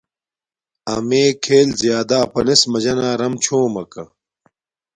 امݺ کھݵل زݵݳدہ اَپَنݵس مَجَنݳ رَم چھݸمَکݳ.